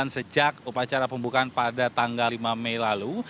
sejak upacara pembukaan pada tanggal lima mei lalu